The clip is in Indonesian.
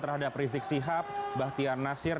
terhadap rizik sihab bahtiar nasir